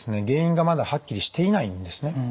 原因がまだはっきりしていないんですね。